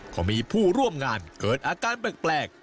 ก็มีผู้ร่วมงานเกิดอาการแปลก